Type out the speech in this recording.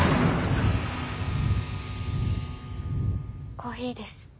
コーヒーです。